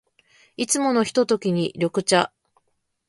いつものひとときに、緑茶。